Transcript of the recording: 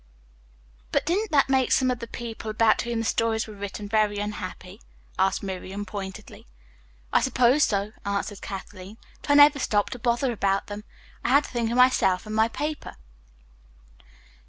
"But didn't that make some of the people about whom the stories were written very unhappy?" asked Miriam pointedly. "I suppose so," answered Kathleen. "But I never stopped to bother about them. I had to think of myself and of my paper."